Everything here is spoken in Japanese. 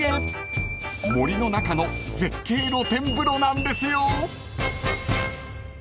［森の中の絶景露天風呂なんですよ］